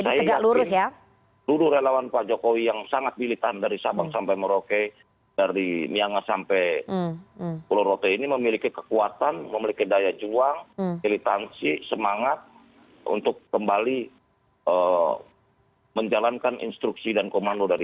dan saya yakin seluruh relawan pak jokowi yang sangat militan dari sabang sampai merauke dari niangga sampai pulau rote ini memiliki kekuatan memiliki daya juang militansi semangat untuk kembali menjalankan instruksi dan komando dari ini